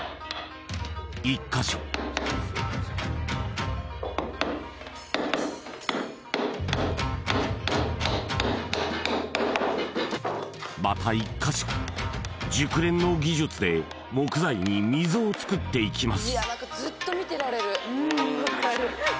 １か所また１か所熟練の技術で木材に溝を作っていきます